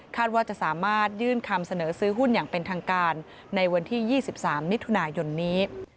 ว่าจะสามารถยื่นคำเสนอซื้อหุ้นอย่างเป็นทางการในวันที่๒๓มิถุนายนนี้